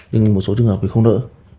nhưng một số trường hợp thì không đỡ